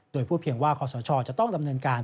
โดยพูดเพียงว่าคอสเดียชอง่าจะต้องผลิตรับเนื่องการ